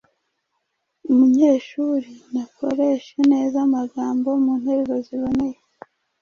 Umunyeshuri nakoreshe neza amagambo mu nteruro ziboneye